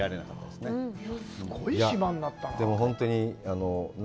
すごい島になったな。